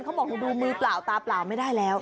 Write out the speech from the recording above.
เขาบอกดูมือเปล่าตาเปล่าไม่ได้แล้ว